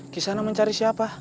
kisana mencari siapa